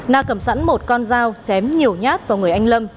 na cầm sẵn một con dao chém nhiều nhát vào người anh lâm